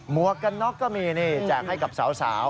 วกกันน็อกก็มีนี่แจกให้กับสาว